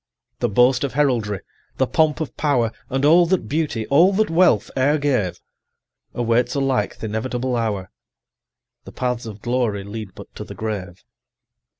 The boast of heraldry, the pomp of power, And all that beauty, all that wealth e'er gave, Awaits alike th' inevitable hour. 35 The paths of glory lead but to the grave.